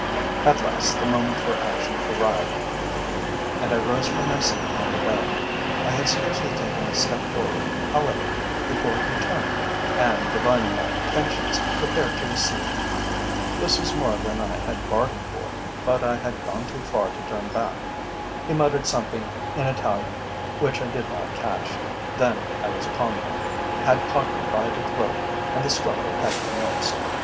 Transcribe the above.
At last the moment for action arrived, and I rose from my seat upon the bed. I had scarcely taken a step forward, however, before he turned, and, divining my intentions, prepared to receive me. This was more than I had bargained for, but I had gone too far to turn back. He muttered something in Italian which I did not catch, then I was upon him, had caught him by the throat, and the struggle had commenced.